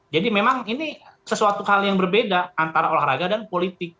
jadi memang ini sesuatu hal yang berbeda antara olahraga dan politik